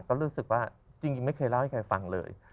ก็รู้สึกว่าจริงไม่เคยเล่าให้ใครฟังเลย